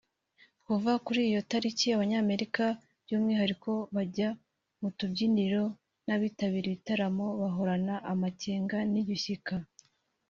Kuva kuri iyo tariki Abanyamerika by’ umwihariko abajya mu tubyiniro n’ abitabira ibitaramo bahorana amakenga n’igishyika